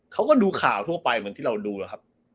เขาก็ดูข่าวทั่วไปเหมือนที่เราดูอะครับ